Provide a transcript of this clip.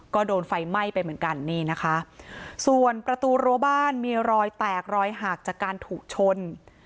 ก็โดนไฟไหม้ไปเหมือนกันนี่นะคะส่วนประตูรั้วบ้านมีรอยแตกรอยหักจากการถูกชน